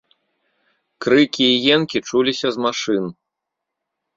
Крыкі і енкі чуліся з машын.